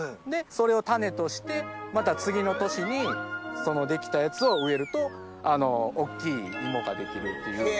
それを種としてまた次の年にその出来たやつを植えると大っきいいもが出来るっていう。